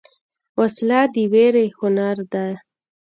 وسله د ویرې هنر ده